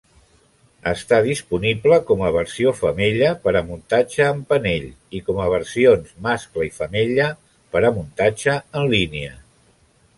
Està disponible com a versió femella per a muntatge en panell i com a versions mascle i femella per a muntatge en línia.